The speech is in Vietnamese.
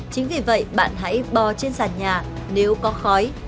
chính vì vậy bạn hãy bò trên sàn nhà nếu có khói